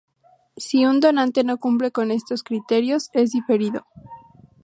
Si un donante no cumple con estos criterios, es "diferido".